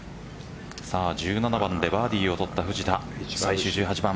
１７番でバーディーを取った藤田最終１８番。